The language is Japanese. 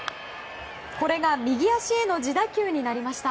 右足への自打球になりました。